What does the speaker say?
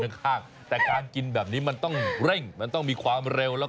แต่การกินแบบนี้กินแบบนี้มันต้องเร่งมันต้องมีความเร็ว